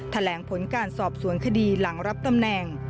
แถลงผลการสอบสวนคดีหลังรับตำแหน่ง